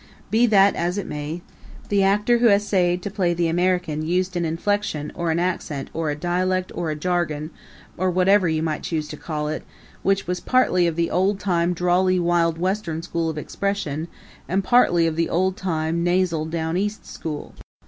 Be that as it may, the actor who essayed to play the American used an inflection, or an accent, or a dialect, or a jargon or whatever you might choose to call it which was partly of the oldtime drawly Wild Western school of expression and partly of the oldtime nasal Down East school.